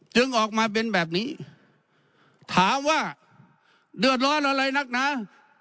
ออกมาเป็นแบบนี้ถามว่าเดือดร้อนอะไรนักหนา